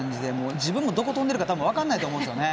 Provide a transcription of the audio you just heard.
自分でもどこに飛んでるか多分、分からないと思うんですね。